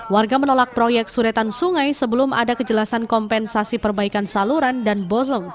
warga menolak proyek suretan sungai sebelum ada kejelasan kompensasi perbaikan saluran dan bozeng